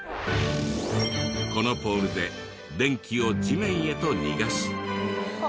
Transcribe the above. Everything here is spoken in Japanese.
このポールで電気を地面へと逃がし。